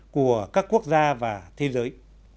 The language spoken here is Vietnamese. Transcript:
của các quốc gia và thế giới